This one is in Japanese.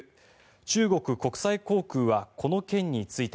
中国国際航空はこの件について。